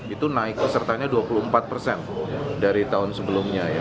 itu naik pesertanya dua puluh empat persen dari tahun sebelumnya ya